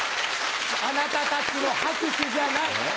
あなたたちも拍手じゃない！